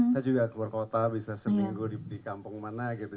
saya juga keluar kota bisa seminggu di kampung mana gitu